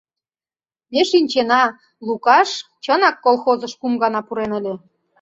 Ме шинчена: Лукаш чынак колхозыш кум гана пурен ыле.